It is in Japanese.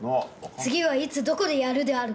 次はいつどこでやるである？